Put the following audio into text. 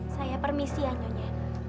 saya permisi ya nyonya